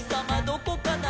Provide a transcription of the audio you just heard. どこかな？」